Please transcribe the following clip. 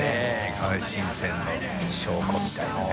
海新鮮の証拠みたいなね。